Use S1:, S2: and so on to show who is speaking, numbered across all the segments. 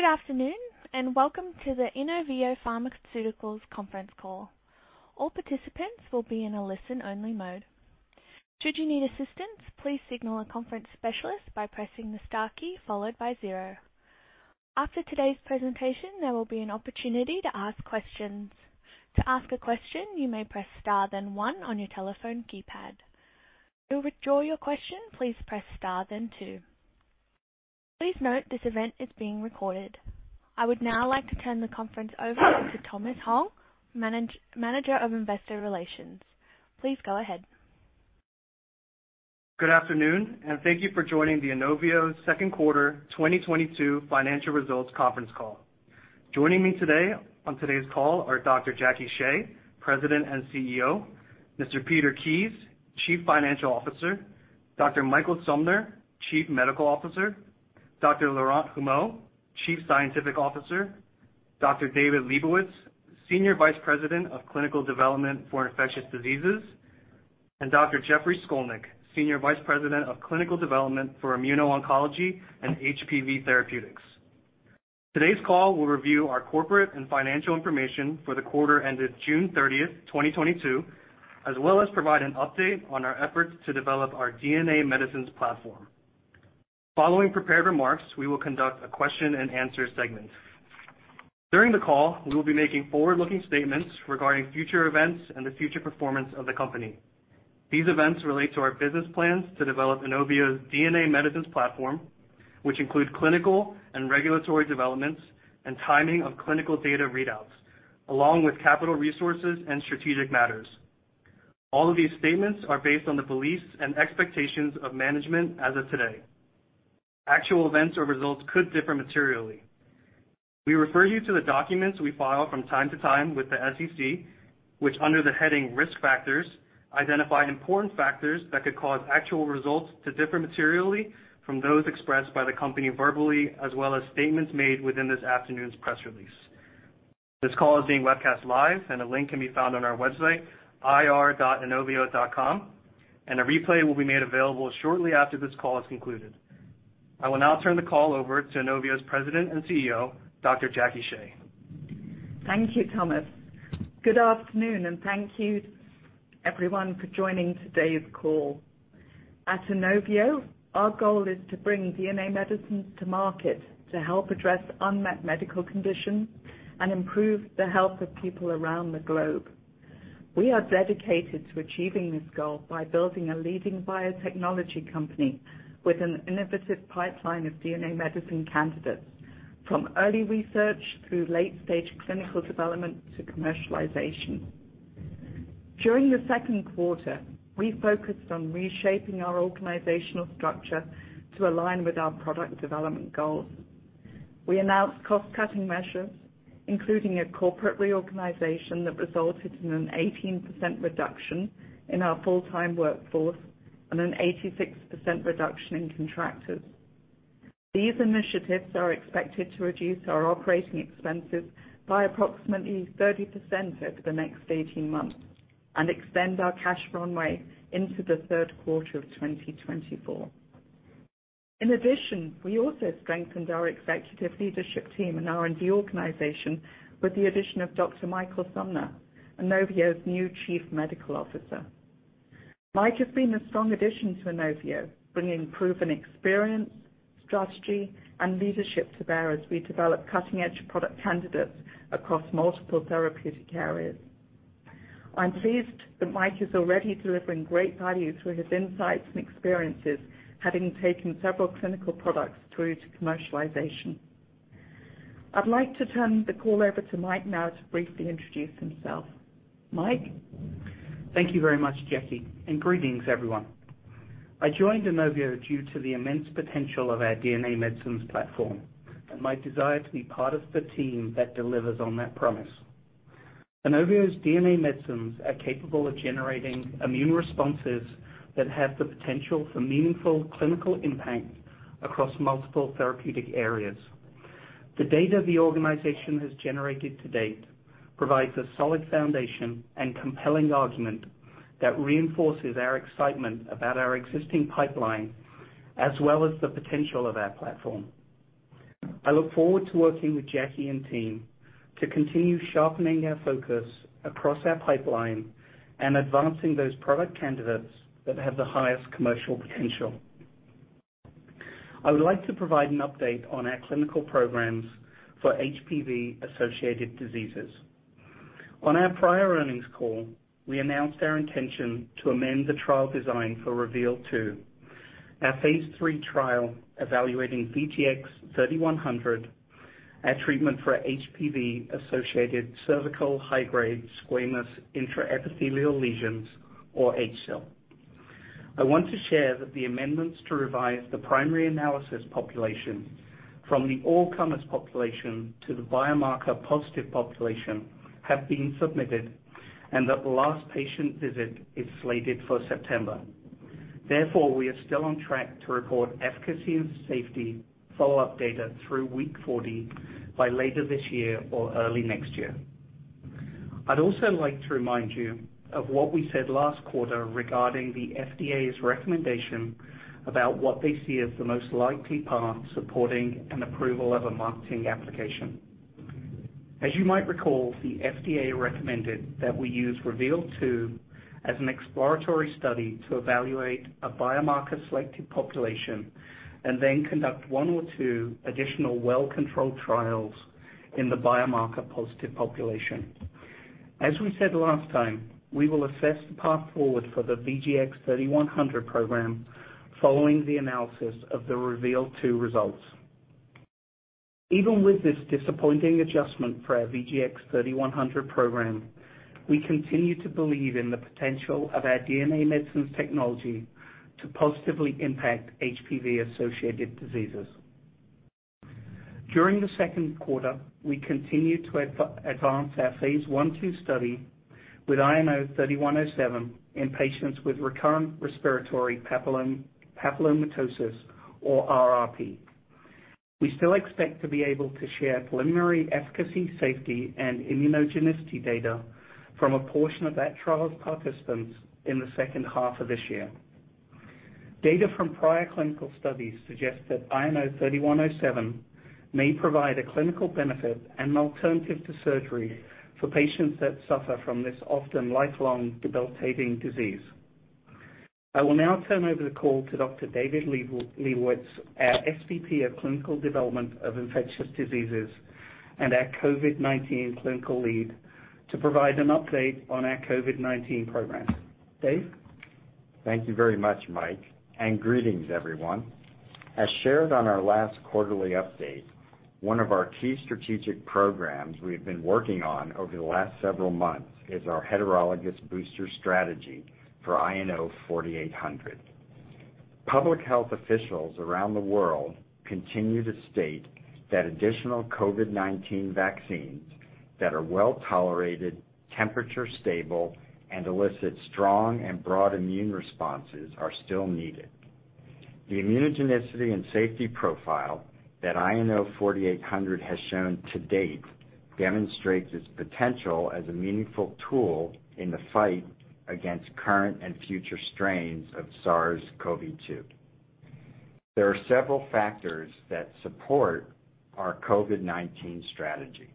S1: Good afternoon, and welcome to the Inovio Pharmaceuticals conference call. All participants will be in a listen-only mode. Should you need assistance, please signal a conference specialist by pressing the star key followed by zero. After today's presentation, there will be an opportunity to ask questions. To ask a question, you may press star then one on your telephone keypad. To withdraw your question, please press star then two. Please note this event is being recorded. I would now like to turn the conference over to Thomas Hong, Manager of Investor Relations. Please go ahead.
S2: Good afternoon, and thank you for joining the Inovio second quarter 2022 financial results conference call. Joining me today on today's call are Dr. Jacqueline Shea, President and CEO, Mr. Peter Kies, Chief Financial Officer, Dr. Michael Sumner, Chief Medical Officer, Dr. Laurent Humeau, Chief Scientific Officer, Dr. David Liebowitz, Senior Vice President of Clinical Development for Infectious Diseases, and Dr. Jeffrey Skolnik, Senior Vice President of Clinical Development for Immuno-oncology and HPV Therapeutics. Today's call will review our corporate and financial information for the quarter ended June 30, 2022, as well as provide an update on our efforts to develop our DNA medicines platform. Following prepared remarks, we will conduct a question-and-answer segment. During the call, we will be making forward-looking statements regarding future events and the future performance of the company. These events relate to our business plans to develop Inovio's DNA medicines platform, which include clinical and regulatory developments and timing of clinical data readouts, along with capital resources and strategic matters. All of these statements are based on the beliefs and expectations of management as of today. Actual events or results could differ materially. We refer you to the documents we file from time to time with the SEC, which, under the heading Risk Factors, identify important factors that could cause actual results to differ materially from those expressed by the company verbally, as well as statements made within this afternoon's press release. This call is being webcast live, and a link can be found on our website, ir.inovio.com, and a replay will be made available shortly after this call is concluded. I will now turn the call over to Inovio's President and CEO, Jacqueline Shea.
S3: Thank you, Thomas. Good afternoon, and thank you everyone for joining today's call. At Inovio, our goal is to bring DNA medicines to market to help address unmet medical conditions and improve the health of people around the globe. We are dedicated to achieving this goal by building a leading biotechnology company with an innovative pipeline of DNA medicine candidates from early research through late-stage clinical development to commercialization. During the second quarter, we focused on reshaping our organizational structure to align with our product development goals. We announced cost-cutting measures, including a corporate reorganization that resulted in an 18% reduction in our full-time workforce and an 86% reduction in contractors. These initiatives are expected to reduce our operating expenses by approximately 30% over the next 18 months and extend our cash runway into the third quarter of 2024. In addition, we also strengthened our executive leadership team and R&D organization with the addition of Dr. Michael Sumner, Inovio's new Chief Medical Officer. Mike has been a strong addition to Inovio, bringing proven experience, strategy, and leadership to bear as we develop cutting-edge product candidates across multiple therapeutic areas. I'm pleased that Mike is already delivering great value through his insights and experiences, having taken several clinical products through to commercialization. I'd like to turn the call over to Mike now to briefly introduce himself. Mike?
S4: Thank you very much, Jackie, and greetings, everyone. I joined Inovio due to the immense potential of our DNA medicines platform and my desire to be part of the team that delivers on that promise. Inovio's DNA medicines are capable of generating immune responses that have the potential for meaningful clinical impact across multiple therapeutic areas. The data the organization has generated to date provides a solid foundation and compelling argument that reinforces our excitement about our existing pipeline as well as the potential of our platform. I look forward to working with Jackie and team to continue sharpening our focus across our pipeline and advancing those product candidates that have the highest commercial potential. I would like to provide an update on our clinical programs for HPV-associated diseases. On our prior earnings call, we announced our intention to amend the trial design for REVEAL 2, our phase 3 trial evaluating VGX-3100, a treatment for HPV-associated cervical high-grade squamous intraepithelial lesions or HSIL. I want to share that the amendments to revise the primary analysis population from the all-comers population to the biomarker-positive population have been submitted and that the last patient visit is slated for September. Therefore, we are still on track to report efficacy and safety follow-up data through week 40 by later this year or early next year. I'd also like to remind you of what we said last quarter regarding the FDA's recommendation about what they see as the most likely path supporting approval of a marketing application. As you might recall, the FDA recommended that we use REVEAL 2 as an exploratory study to evaluate a biomarker-selected population and then conduct one or two additional well-controlled trials in the biomarker-positive population. As we said last time, we will assess the path forward for the VGX-3100 program following the analysis of the REVEAL 2 results. Even with this disappointing adjustment for our VGX-3100 program, we continue to believe in the potential of our DNA medicines technology to positively impact HPV-associated diseases. During the second quarter, we continued to advance our Phase 1/2 study with INO-3107 in patients with recurrent respiratory papillomatosis, or RRP. We still expect to be able to share preliminary efficacy, safety, and immunogenicity data from a portion of that trial's participants in the second half of this year. Data from prior clinical studies suggest that INO-3107 may provide a clinical benefit and an alternative to surgery for patients who suffer from this often lifelong debilitating disease. I will now turn over the call to Dr. David Liebowitz, our SVP of Clinical Development for Infectious Diseases and our COVID-19 clinical lead, to provide an update on our COVID-19 program. Dave?
S5: Thank you very much, Mike, and greetings, everyone. As shared on our last quarterly update, one of our key strategic programs we have been working on over the last several months is our heterologous booster strategy for INO-4800. Public health officials around the world continue to state that additional COVID-19 vaccines that are well-tolerated, temperature-stable, and elicit strong and broad immune responses are still needed. The immunogenicity and safety profile that INO-4800 has shown to date demonstrates its potential as a meaningful tool in the fight against current and future strains of SARS-CoV-2. There are several factors that support our COVID-19 strategy: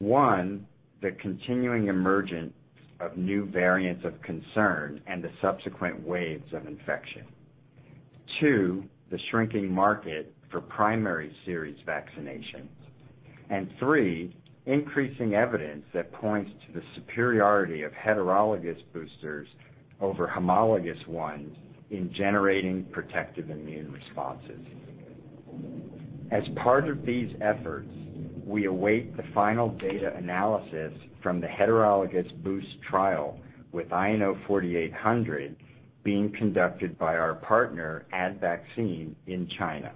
S5: One, the continuing emergence of new variants of concern and the subsequent waves of infection. Two, the shrinking market for primary series vaccinations. And three, increasing evidence that points to the superiority of heterologous boosters over homologous ones in generating protective immune responses. As part of these efforts, we await the final data analysis from the heterologous boost trial with INO-4800 being conducted by our partner Advaccine in China.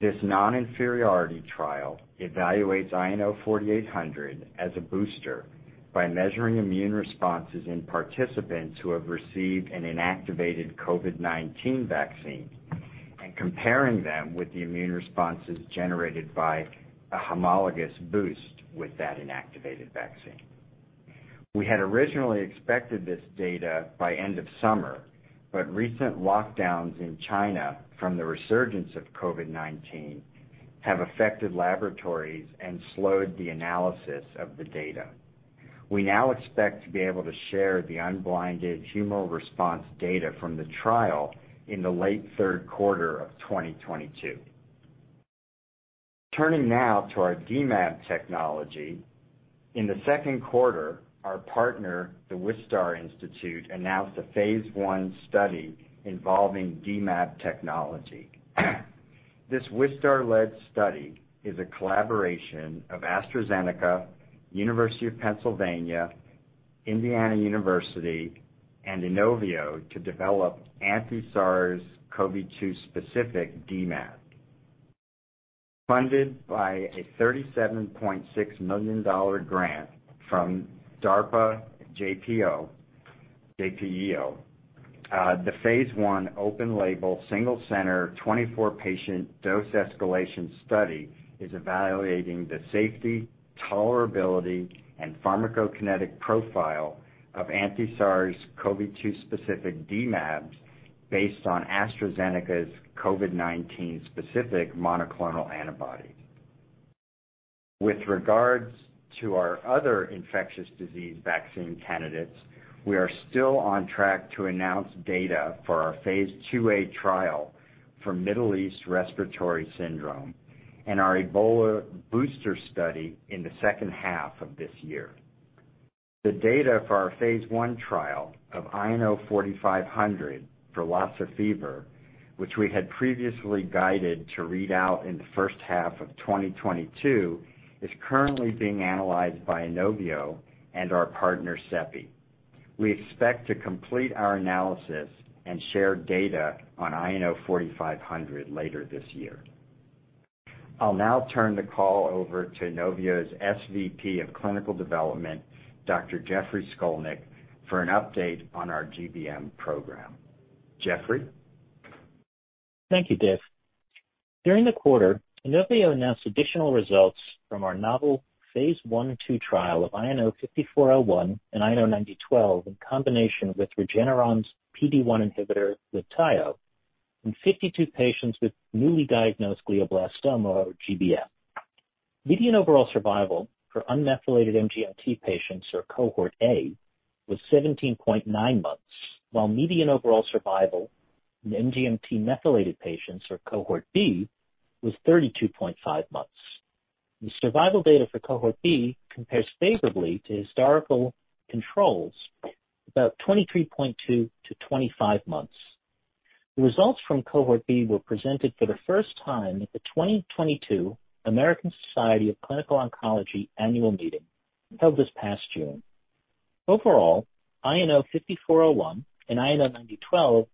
S5: This non-inferiority trial evaluates INO-4800 as a booster by measuring immune responses in participants who have received an inactivated COVID-19 vaccine and comparing them with the immune responses generated by a homologous boost with that inactivated vaccine. We had originally expected this data by the end of summer, but recent lockdowns in China from the resurgence of COVID-19 have affected laboratories and slowed the analysis of the data. We now expect to be able to share the unblinded humoral response data from the trial in the late third quarter of 2022. Turning now to our dMAb technology, in the second quarter, our partner, The Wistar Institute, announced a phase 1 study involving dMAb technology. This Wistar-led study is a collaboration of AstraZeneca, the University of Pennsylvania, Indiana University, and Inovio to develop anti-SARS-CoV-2 specific dMAbs. Funded by a $37.6 million grant from DARPA JPEO-CBRND, the phase 1 open-label, single-center, 24-patient dose-escalation study is evaluating the safety, tolerability, and pharmacokinetic profile of anti-SARS-CoV-2 specific dMAbs based on AstraZeneca's COVID-19 specific monoclonal antibody. With regard to our other infectious disease vaccine candidates, we are still on track to announce data for our phase 2A trial for Middle East Respiratory Syndrome and our Ebola booster study in the second half of this year. The data for our phase 1 trial of INO-4500 for Lassa fever, which we had previously guided to read out in the first half of 2022, is currently being analyzed by Inovio and our partner CEPI. We expect to complete our analysis and share data on INO-4500 later this year. I'll now turn the call over to Inovio's SVP of Clinical Development, Dr. Jeffrey Skolnik, for an update on our GBM program. Jeffrey?
S6: Thank you, Dave. During the quarter, Inovio announced additional results from our novel phase 1 and 2 trial of INO-5401 and INO-9012 in combination with Regeneron's PD-1 inhibitor, Libtayo, in 52 patients with newly diagnosed glioblastoma, or GBM. Median overall survival for unmethylated MGMT patients, or cohort A, was 17.9 months, while median overall survival in MGMT methylated patients, or cohort B, was 32.5 months. The survival data for cohort B compares favorably to historical controls, about 23.2-25 months. The results from cohort B were presented for the first time at the 2022 American Society of Clinical Oncology Annual Meeting held this past June. Overall, INO-5401 and INO-9012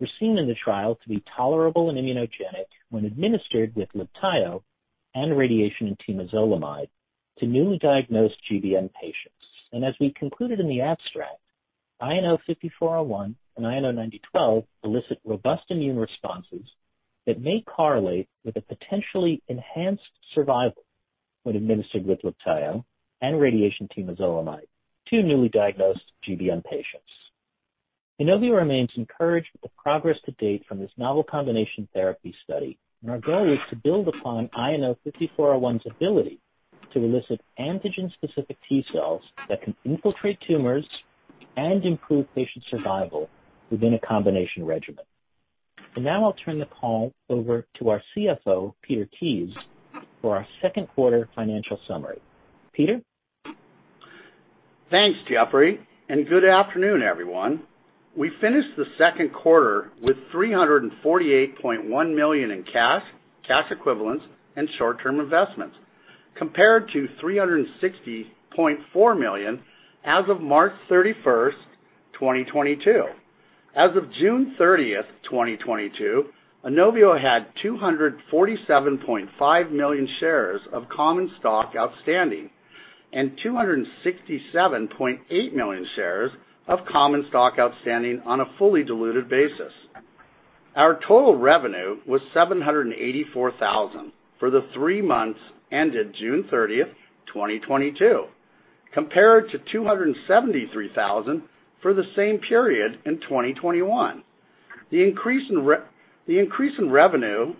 S6: were seen in the trial to be tolerable and immunogenic when administered with Libtayo and radiation and temozolomide to newly diagnosed GBM patients. As we concluded in the abstract, INO-5401 and INO-9012 elicit robust immune responses that may correlate with potentially enhanced survival when administered with Libtayo and radiation temozolomide to newly diagnosed GBM patients. Inovio remains encouraged by the progress to date from this novel combination therapy study, and our goal is to build upon INO-5401's ability to elicit antigen-specific T-cells that can infiltrate tumors and improve patient survival within a combination regimen. Now I'll turn the call over to our CFO, Peter Kies, for our second-quarter financial summary. Peter?
S7: Thanks, Jeffrey, and good afternoon, everyone. We finished the second quarter with $348.1 million in cash equivalents and short-term investments, compared to $360.4 million as of March 31, 2022. As of June 30, 2022, Inovio had 247.5 million shares of common stock outstanding and 267.8 million shares of common stock outstanding on a fully diluted basis. Our total revenue was $784,000 for the three months ended June 30, 2022, compared to $273,000 for the same period in 2021. The increase in revenue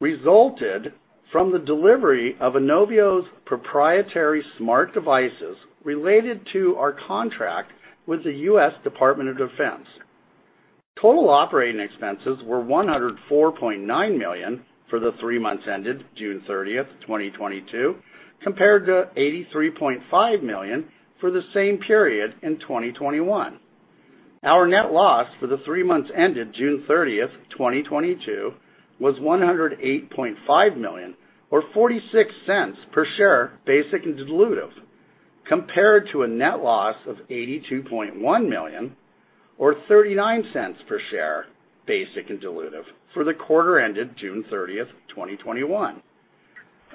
S7: resulted from the delivery of Inovio's proprietary SMART devices related to our contract with the U.S. Department of Defense. Total operating expenses were $104.9 million for the three months ended June 30, 2022, compared to $83.5 million for the same period in 2021. Our net loss for the three months ended June 30, 2022, was $108.5 million or $0.46 per share basic and diluted, compared to a net loss of $82.1 million or $0.39 per share basic and diluted for the quarter ended June 30, 2021.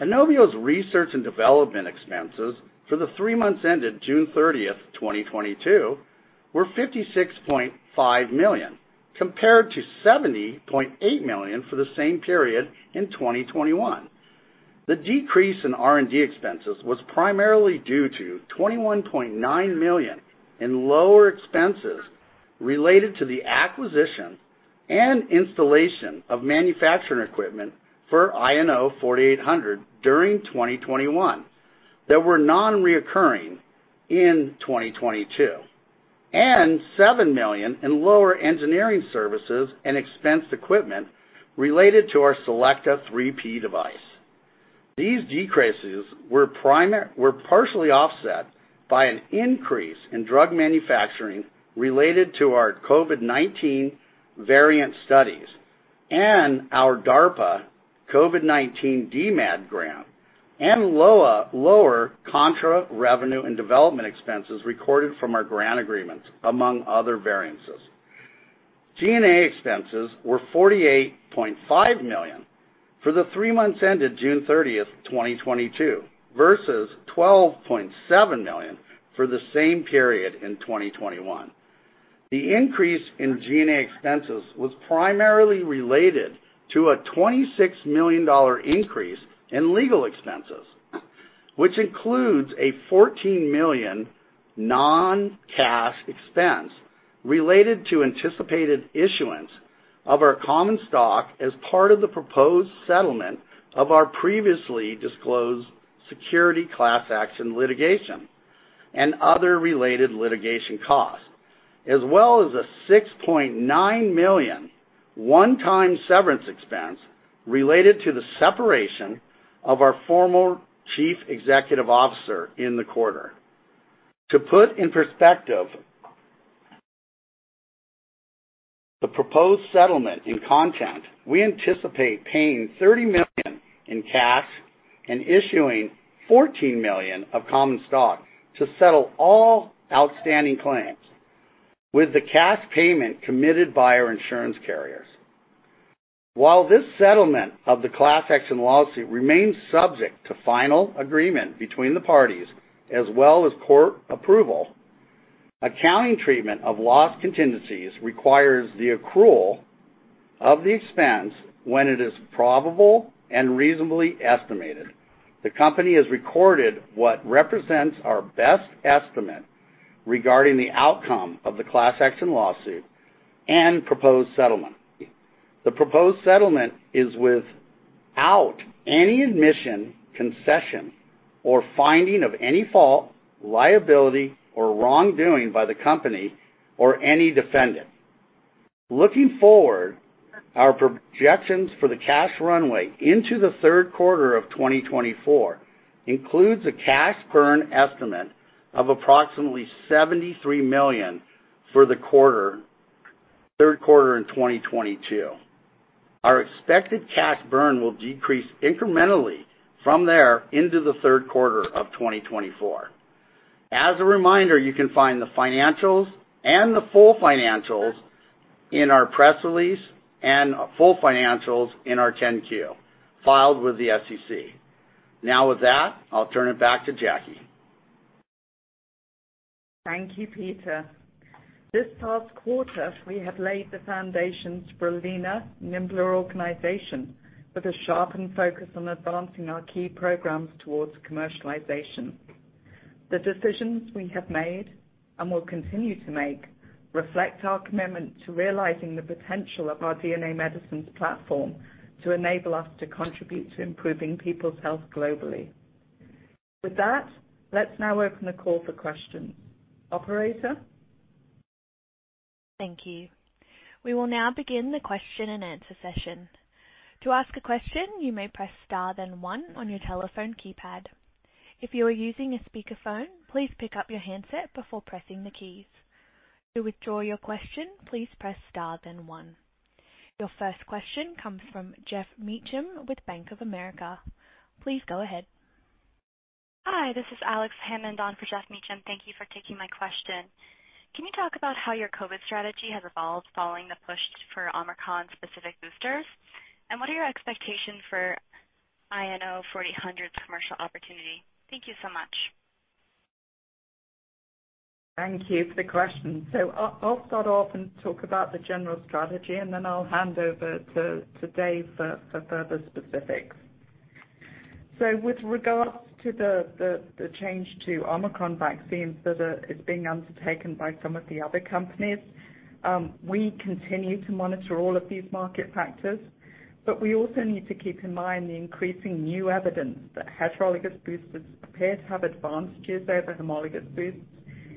S7: Inovio's research and development expenses for the three months ended June 30, 2022, were $56.5 million, compared to $70.8 million for the same period in 2021. The decrease in R&D expenses was primarily due to $21.9 million in lower expenses related to the acquisition and installation of manufacturing equipment for INO-4800 during 2021 that were non-recurring in 2022, and $7 million in lower engineering services and expensed equipment related to our CELLECTRA 3PSP device. These decreases were partially offset by an increase in drug manufacturing related to our COVID-19 variant studies and our DARPA COVID-19 dMAb grant, and lower contract revenue and development expenses recorded from our grant agreements, among other variances. G&A expenses were $48.5 million for the three months ended June 30, 2022, versus $12.7 million for the same period in 2021. The increase in G&A expenses was primarily related to a $26 million increase in legal expenses, which includes a $14 million non-cash expense related to the anticipated issuance of our common stock as part of the proposed settlement of our previously disclosed securities class action litigation and other related litigation costs, as well as a $6.9 million one-time severance expense related to the separation of our former chief executive officer in the quarter. To put the proposed settlement in context, we anticipate paying $30 million in cash and issuing $14 million of common stock to settle all outstanding claims, with the cash payment committed by our insurance carriers. This settlement of the class action lawsuit remains subject to final agreement between the parties as well as court approval. Accounting treatment of loss contingencies requires the accrual of the expense when it is probable and reasonably estimated. The company has recorded what represents our best estimate regarding the outcome of the class action lawsuit and proposed settlement. The proposed settlement is without any admission, concession, or finding of any fault, liability, or wrongdoing by the company or any defendant. Looking forward, our projections for the cash runway into the third quarter of 2024 include a cash burn estimate of approximately $73 million for the quarter, the third quarter in 2022. Our expected cash burn will decrease incrementally from there into the third quarter of 2024. As a reminder, you can find the financials and the full financials in our press release and full financials in our 10-Q filed with the SEC. Now with that, I'll turn it back to Jackie.
S3: Thank you, Peter. This past quarter, we have laid the foundations for a leaner, nimbler organization with a sharpened focus on advancing our key programs toward commercialization. The decisions we have made and will continue to make reflect our commitment to realizing the potential of our DNA medicines platform to enable us to contribute to improving people's health globally. With that, let's now open the call for questions. Operator?
S1: Thank you. We will now begin the question and answer session. To ask a question, you may press star then one on your telephone keypad. If you are using a speakerphone, please pick up your handset before pressing the keys. To withdraw your question, please press star then one. Your first question comes from Geoff Meacham with Bank of America. Please go ahead.
S8: Hi, this is Alex Hammond, filling in for Geoff Meacham. Thank you for taking my question. Can you talk about how your COVID strategy has evolved following the push for Omicron-specific boosters? What are your expectations for INO 4800's commercial opportunity? Thank you so much.
S3: Thank you for the question. I'll start off by talking about the general strategy, and then I'll hand over to Dave for further specifics. With regard to the change to Omicron vaccines being undertaken by some of the other companies, we continue to monitor all of these market factors, but we also need to keep in mind the increasing new evidence that heterologous boosters appear to have advantages over homologous boosts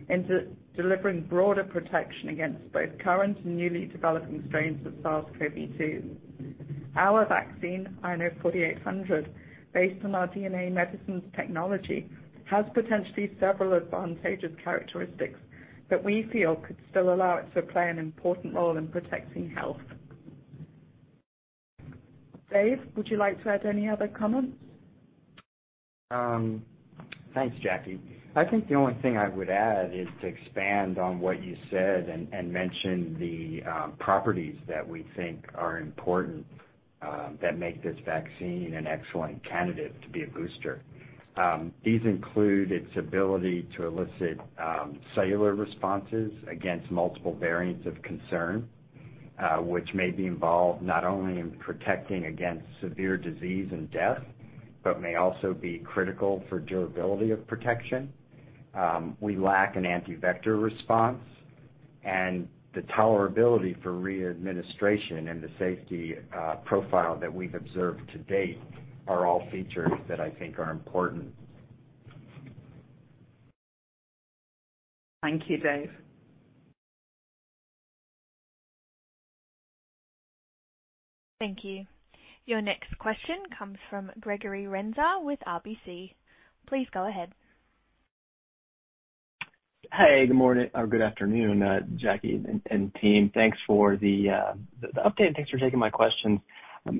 S3: in delivering broader protection against both current and newly developing strains of SARS-CoV-2. Our vaccine, INO 4800, based on our DNA medicines technology, has potentially several advantageous characteristics that we feel could still allow it to play an important role in protecting health. Dave, would you like to add any other comments?
S7: Thanks, Jackie. I think the only thing I would add is to expand on what you said and mention the properties that we think are important that make this vaccine an excellent candidate to be a booster. These include its ability to elicit cellular responses against multiple variants of concern, which may be involved not only in protecting against severe disease and death but may also be critical for the durability of protection. We lack an anti-vector response, and the tolerability for re-administration and the safety profile that we've observed to date are all features that I think are important.
S3: Thank you, Dave.
S1: Thank you. Your next question comes from Gregory Renza with RBC. Please go ahead.
S9: Hey, good morning or good afternoon, Jackie and team. Thanks for the update. Thanks for taking my question.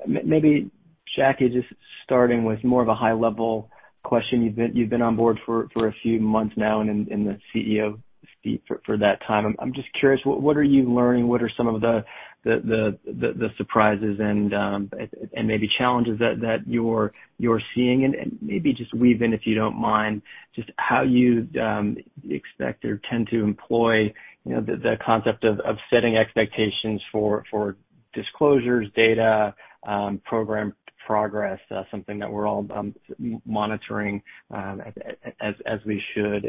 S9: Maybe, Jackie, just starting with more of a high-level question. You've been on board for a few months now and in the CEO seat for that time. I'm just curious, what are you learning? What are some of the surprises and maybe challenges that you're seeing? Maybe just weave in, if you don't mind, just how you expect or intend to employ the concept of setting expectations for disclosures, data, and program progress—something that we're all monitoring, as we should.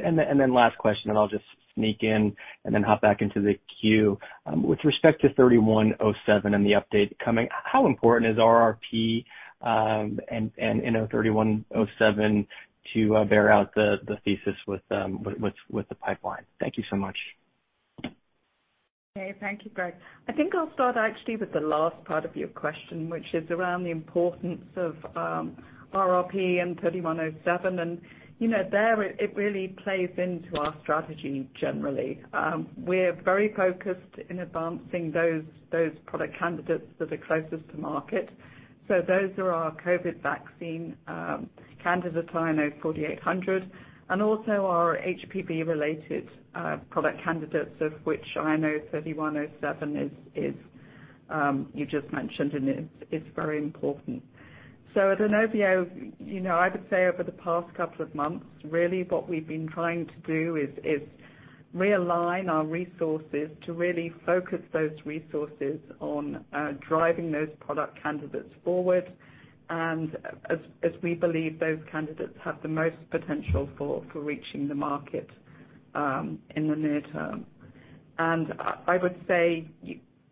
S9: Last question, and I'll just sneak it in and then hop back into the queue. With respect to INO-3107 and the upcoming update, how important are RRP and INO-3107 to bearing out the thesis with the pipeline? Thank you so much.
S3: Okay. Thank you, Greg. I think I'll start actually with the last part of your question, which is around the importance of RRP and INO-3107. You know, it really plays into our strategy generally. We're very focused on advancing those product candidates that are closest to market. Those are our COVID vaccine candidate INO-4800, and also our HPV-related product candidates, of which INO-3107 is, as you just mentioned, very important. At Inovio, you know, I would say over the past couple of months, really what we've been trying to do is realign our resources to really focus those resources on driving those product candidates forward, as we believe those candidates have the most potential for reaching the market in the near term. I would say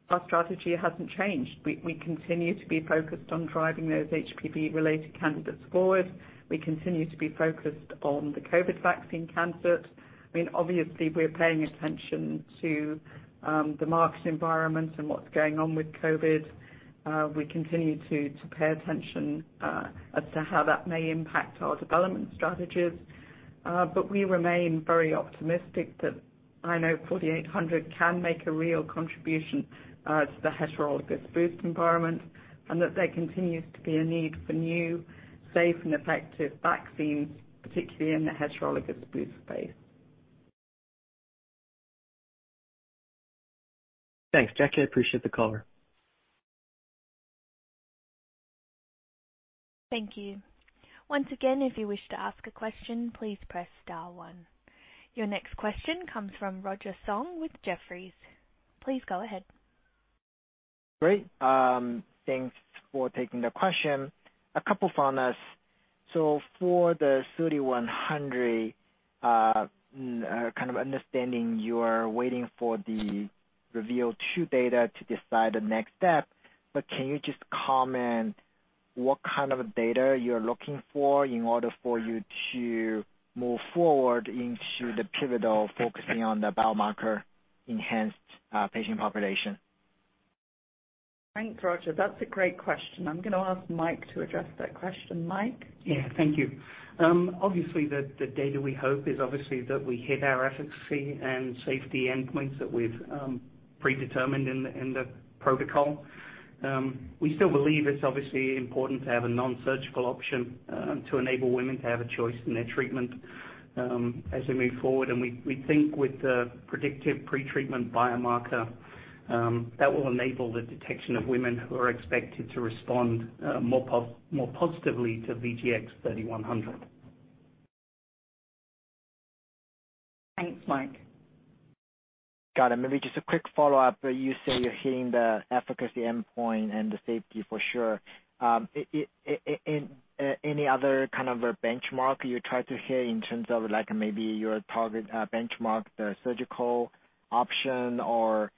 S3: our strategy hasn't changed. We continue to be focused on driving those HPV-related candidates forward. We continue to be focused on the COVID vaccine candidate. I mean, obviously, we're paying attention to the market environment and what's going on with COVID. We continue to pay attention to how that may impact our development strategies. But we remain very optimistic that INO-4800 can make a real contribution to the heterologous boost environment and that there continues to be a need for new, safe, and effective vaccines, particularly in the heterologous boost space.
S10: Thanks, Jackie. I appreciate the color.
S1: Thank you. Once again, if you wish to ask a question, please press star one. Your next question comes from Roger Song with Jefferies. Please go ahead.
S11: Great. Thanks for taking the question. A couple from us. For the VGX-3100, we understand you are waiting for the REVEAL 2 data to decide the next step, but can you just comment on what kind of data you're looking for in order for you to move forward into the pivotal focusing on the biomarker-enriched patient population?
S3: Thanks, Roger. That's a great question. I'm going to ask Mike to address that question. Mike?
S4: Yeah, thank you. Obviously, we hope the data shows that we hit our efficacy and safety endpoints that we've predetermined in the protocol. We still believe it's obviously important to have a non-surgical option to enable women to have a choice in their treatment as we move forward. We think the predictive pretreatment biomarker will enable the detection of women who are expected to respond more positively to VGX-3100.
S3: Thanks, Mike.
S11: Got it. Maybe just a quick follow-up. You say you're hitting the efficacy endpoint and the safety for sure. Any other kind of a benchmark you try to hit in terms of, like, maybe your target benchmark, the surgical option, or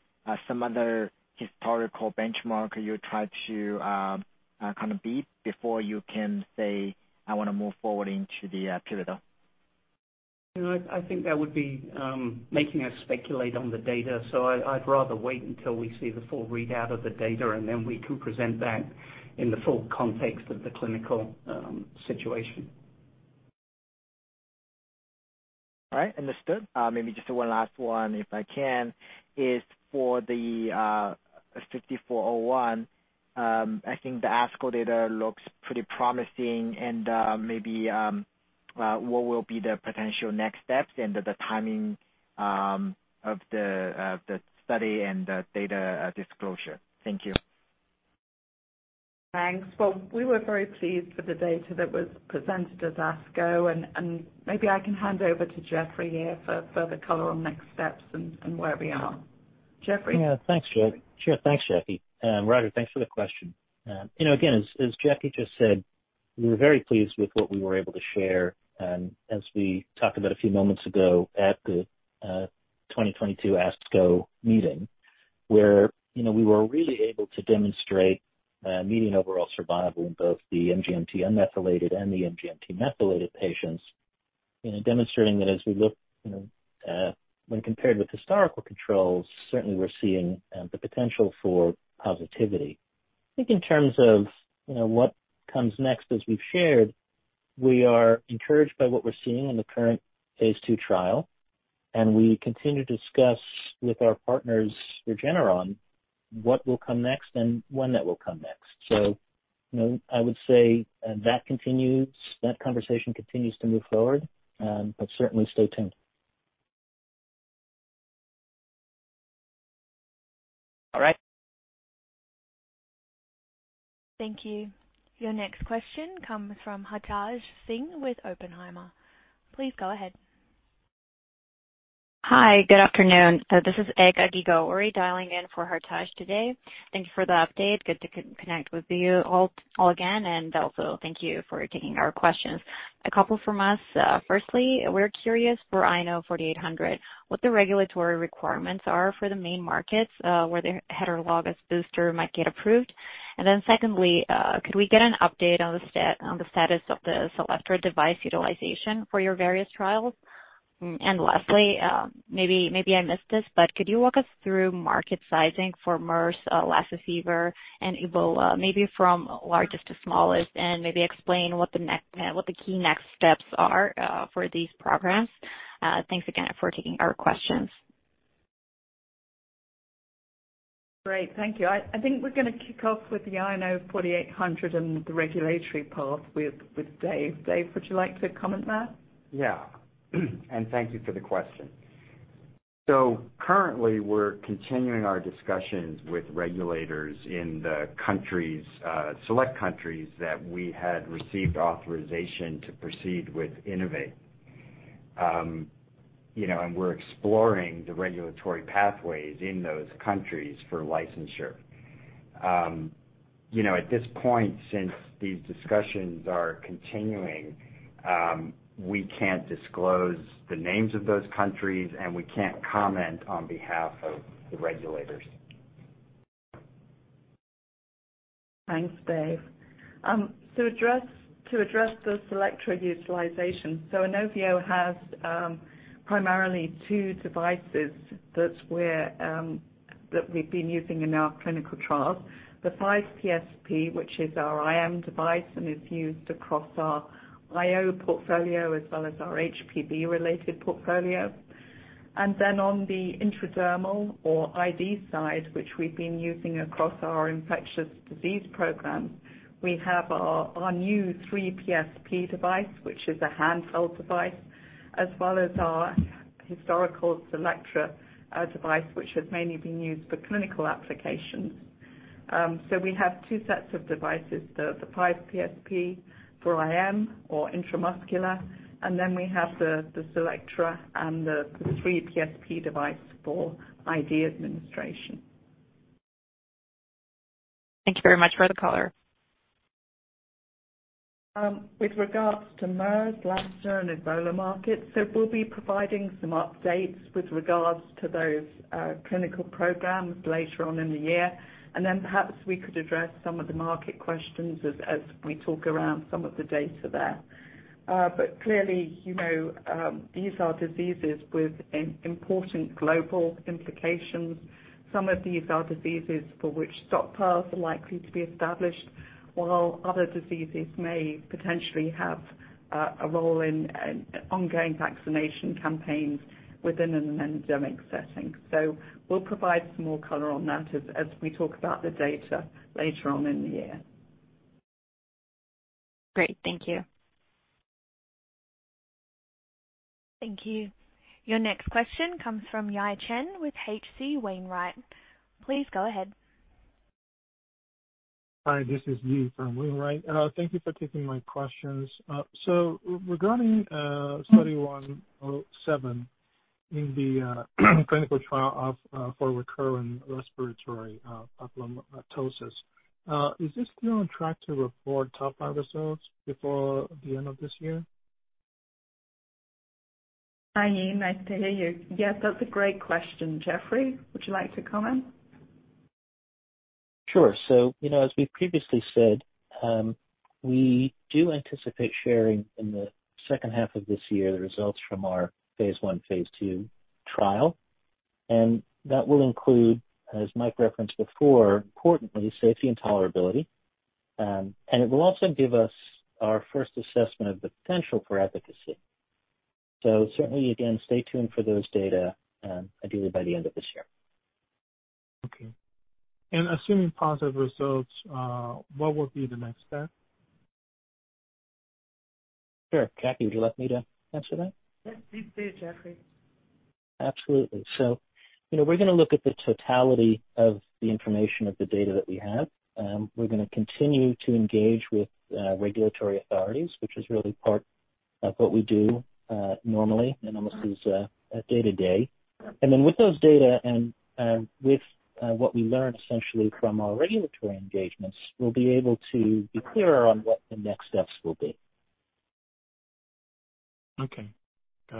S11: some other historical benchmark you try to kind of beat before you can say, "I want to move forward into the pivotal"?
S4: You know, I think that would make us speculate on the data, so I'd rather wait until we see the full readout of the data, and then we can present that in the full context of the clinical situation.
S11: All right. Understood. Maybe just one last one, if I can. As for the INO-5401, I think the ASCO data looks pretty promising. What will be the potential next steps and the timing of the study and the data disclosure? Thank you.
S3: Thanks. Well, we were very pleased with the data that were presented at ASCO, and maybe I can hand over to Jeffrey here for further color on next steps and where we are. Jeffrey?
S6: Yeah. Thanks, Jackie. Sure. Thanks, Jackie. Roger, thanks for the question. You know, again, as Jackie just said, we were very pleased with what we were able to share, as we talked about a few moments ago, at the 2022 ASCO meeting, where, you know, we were really able to demonstrate median overall survival in both the MGMT unmethylated and the MGMT methylated patients, you know, demonstrating that as we look, you know, when compared with historical controls, certainly we're seeing the potential for positivity. I think in terms of, you know, what comes next, as we've shared, we are encouraged by what we're seeing in the current phase 2 trial, and we continue to discuss with our partners, Regeneron, what will come next and when that will come next. You know, I would say that conversation continues to move forward, but certainly, stay tuned.
S11: All right.
S1: Thank you. Your next question comes from Hartaj Singh with Oppenheimer. Please go ahead.
S12: Hi. Good afternoon. This is Eka Gigauri dialing in for Hartaj today. Thank you for the update. Good to connect with you all again, and also thank you for taking our questions. A couple from us. Firstly, we're curious for INO-4800, what the regulatory requirements are for the main markets, where the heterologous booster might get approved. Secondly, could we get an update on the status of the CELLECTRA device utilization for your various trials? Lastly, maybe I missed this, but could you walk us through market sizing for MERS, Lassa fever, and Ebola, maybe from largest to smallest? Maybe explain what the key next steps are for these programs. Thanks again for taking our questions.
S3: Great. Thank you. I think we're going to kick off with the INO-4800 and the regulatory path with Dave. Dave, would you like to comment on that?
S10: Yeah. Thank you for the question.
S5: Currently, we're continuing our discussions with regulators in select countries where we had received authorization to proceed with INNOVATE. We're exploring the regulatory pathways in those countries for licensure. At this point, since these discussions are continuing, we can't disclose the names of those countries, and we can't comment on behalf of the regulators.
S3: Thanks, Dave. To address the CELLECTRA utilization, Inovio has primarily two devices that we've been using in our clinical trials: the CELLECTRA 5PSP, which is our IM device and is used across our IO portfolio as well as our HPV-related portfolio. Then, on the intradermal or ID side, which we've been using across our infectious disease program, we have our new CELLECTRA 3PSP device, which is a handheld device, as well as our historical CELLECTRA device, which has mainly been used for clinical applications. We have two sets of devices: the CELLECTRA 5PSP for IM or intramuscular, and then we have the CELLECTRA and the CELLECTRA 3PSP device for ID administration.
S5: Thank you very much for the color.
S3: With regard to MERS, Lassa, and Ebola markets, we'll be providing some updates with regard to those clinical programs later on in the year. Then perhaps we could address some of the market questions as we discuss some of the data there. But clearly, these are diseases with important global implications. Some of these are diseases for which stockpiles are likely to be established, while other diseases may potentially have a role in ongoing vaccination campaigns within an endemic setting. We'll provide some more color on that as we discuss the data later in the year.
S5: Great. Thank you.
S1: Thank you. Your next question comes from Yi Chen with H.C. Wainwright. Please go ahead.
S10: Hi, this is Yi Chen from H.C. Wainwright, and thank you for taking my questions. Regarding INO-3107 in the clinical trial for recurrent respiratory papillomatosis, is this still on track to report top-line results before the end of this year?
S3: Hi, Yi. Nice to hear from you. Yes, that's a great question. Jeffrey, would you like to comment?
S6: Sure. You know, as we've previously said, we do anticipate sharing in the second half of this year the results from our Phase 1, Phase 2 trial. That will include, as Mike referenced before, importantly, safety and tolerability. It will also give us our first assessment of the potential for efficacy. Certainly, again, stay tuned for those data, ideally by the end of this year.
S10: Okay. Assuming positive results, what would be the next step?
S6: Sure. Jackie, would you like me to answer that?
S3: Yes, please do, Jeffrey.
S6: Absolutely. You know, we're going to look at the totality of the information, of the data that we have. We're going to continue to engage with regulatory authorities, which is really part of what we do normally, and almost on a day-to-day basis. Then with those data and with what we learn essentially from our regulatory engagements, we'll be able to be clearer on what the next steps will be.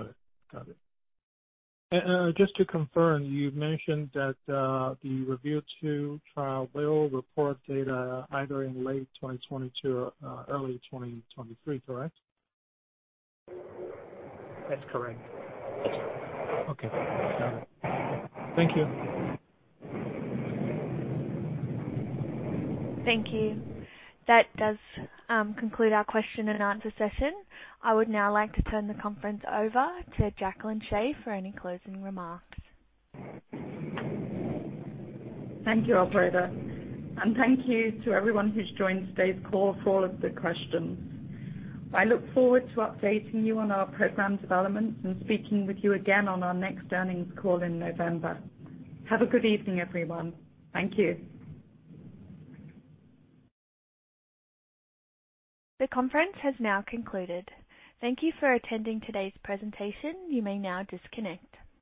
S10: Just to confirm, you've mentioned that the REVEAL 2 trial will report data either in late 2022 or early 2023, correct?
S6: That's correct.
S10: Okay, got it. Thank you.
S1: Thank you. That does conclude our question and answer session. I would now like to turn the conference over to Jacqueline Shea for any closing remarks.
S3: Thank you, operator. Thank you to everyone who has joined today's call for all the questions. I look forward to updating you on our program developments and speaking with you again on our next earnings call in November. Have a good evening, everyone. Thank you.
S1: The conference has now concluded. Thank you for attending today's presentation. You may now disconnect.